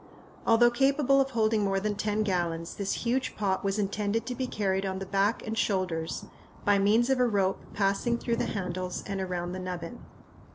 Although capable of holding more than ten gallons, this huge pot was intended to be carried on the back and shoulders by means of a rope passing through the handles and around the nubbin.